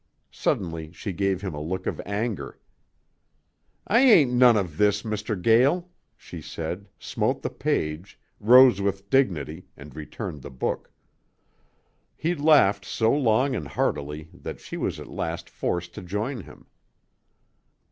Suddenly she gave him a look of anger. "I ain't none of this, Mr. Gael," she said, smote the page, rose with dignity, and returned the book. He laughed so long and heartily that she was at last forced to join him.